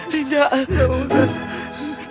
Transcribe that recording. tidak mahu saya